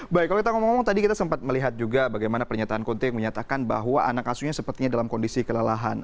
baik kalau kita ngomong ngomong tadi kita sempat melihat juga bagaimana pernyataan kuntik yang menyatakan bahwa anak asuhnya sepertinya dalam kondisi kelelahan